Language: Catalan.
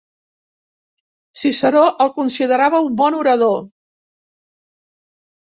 Ciceró el considerava un bon orador.